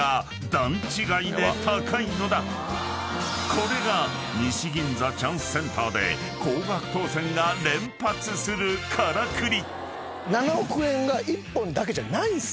［これが西銀座チャンスセンターで高額当せんが連発するからくり］